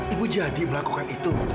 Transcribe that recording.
ibu jadi melakukan itu